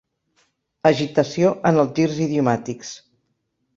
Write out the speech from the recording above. Agitació en els girs idiomàtics.